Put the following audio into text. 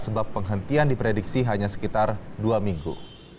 sebab penghentian diprediksi hanya sekitar dua minggu